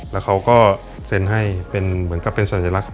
แล้วเขาก็เซ็นให้เป็นเหมือนกับเป็นสัญลักษณ์